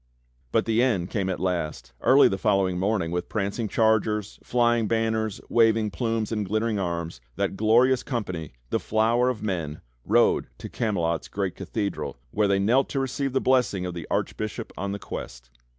But the end came at last. Early the following morning with prancing chargers, flying banners, waving plumes and glittering arms that 'glorious company, the flower of men' rode to Camelot's great cathedral where they knelt to receive the blessing of the Archbishop on the Quest.